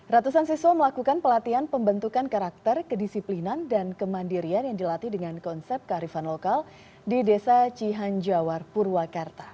ratusan siswa melakukan pelatihan pembentukan karakter kedisiplinan dan kemandirian yang dilatih dengan konsep kearifan lokal di desa cihanjawar purwakarta